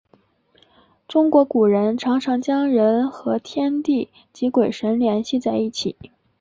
中国古人常常将人和天地及鬼神联系在一起。